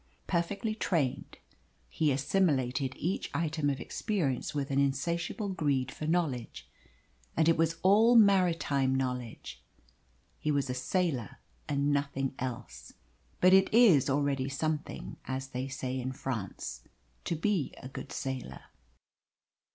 Perfectly trained, he assimilated each item of experience with an insatiable greed for knowledge and it was all maritime knowledge. He was a sailor and nothing else. But it is already something as they say in France to be a good sailor.